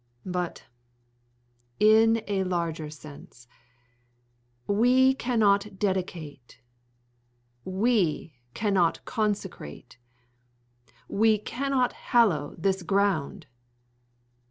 But, in a larger sense, we cannot dedicate. . .we cannot consecrate. .. we cannot hallow this ground.